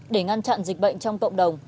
để ngăn chặn dịch bệnh trong cộng đồng